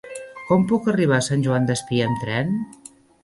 Com puc arribar a Sant Joan Despí amb tren?